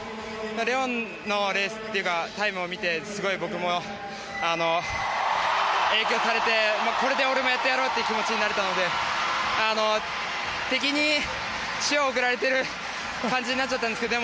レオンのタイムを見て僕も影響されてこれで俺もやってやろうという気持ちになれたので敵に塩を送られてる感じになっちゃったんですけど